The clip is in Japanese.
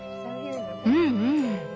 うんうん。